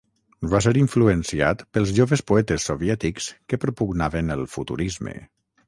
Va ser influenciat pels joves poetes soviètics que propugnaven el Futurisme.